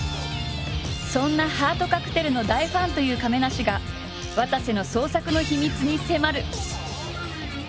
そんな「ハートカクテル」の大ファンという亀梨がわたせの創作の秘密に迫る！